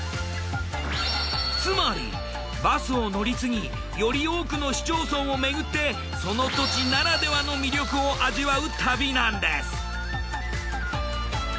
つまりバスを乗り継ぎより多くの市町村をめぐってその土地ならではの魅力を味わう旅なんです。